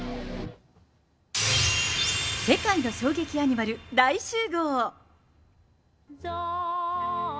世界の衝撃アニマル大集合。